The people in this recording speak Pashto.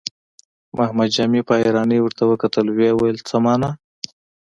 محمد جامي په حيرانۍ ورته وکتل، ويې ويل: څه مانا؟